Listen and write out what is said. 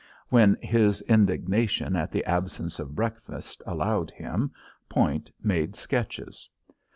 When his indignation at the absence of breakfast allowed him, Point made sketches.